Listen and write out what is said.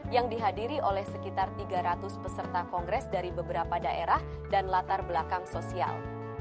yang dihadiri oleh sekitar tiga ratus peserta kongres dari beberapa daerah dan latar belakang sosial